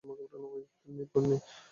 Ponni, Ponni?